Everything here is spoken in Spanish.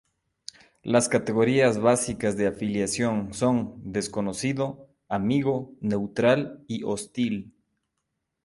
Las categorías básicas de afiliación son "Desconocido", "Amigo", "Neutral" y "Hostil".